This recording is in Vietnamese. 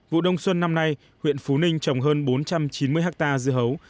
vụ đông xuân năm nay huyện phú ninh trồng hơn bốn trăm chín mươi hectare dưa hấu